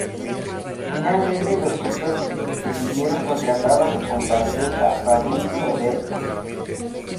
Finalmente los Spurs decidieron contratar a su compatriota, Fabricio Oberto.